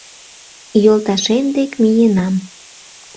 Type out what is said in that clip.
— Йолташем дек миенам.